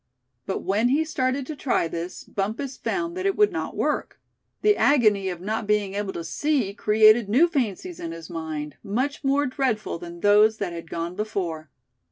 But when he started to try this, Bumpus found that it would not work. The agony of not being able to see created new fancies in his mind, much more dreadful than those that had gone before.